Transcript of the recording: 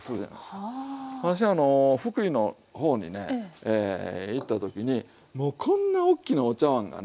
私あの福井の方にね行った時にもうこんな大きなお茶わんがね